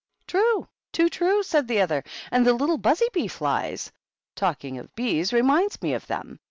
"True! too true!'' said the other. "And the little buzzy bee flies. Talking of bees reminds me of them.